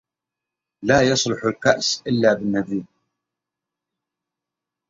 يا نديمي انتبه فإن المثاني